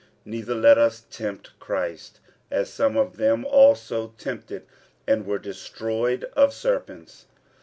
46:010:009 Neither let us tempt Christ, as some of them also tempted, and were destroyed of serpents.